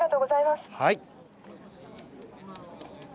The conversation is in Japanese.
はい。